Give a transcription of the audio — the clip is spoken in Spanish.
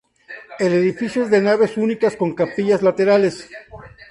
El edificio es de nave única con capillas laterales.